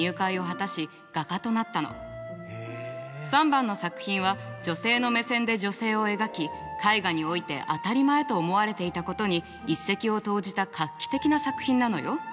３番の作品は女性の目線で女性を描き絵画において当たり前と思われていたことに一石を投じた画期的な作品なのよ。